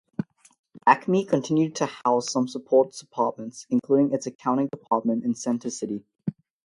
Acme continued to house some support departments, including its accounting department, in Center City.